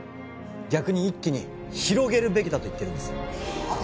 逆に一気に広げるべきだと言ってるんですはっ？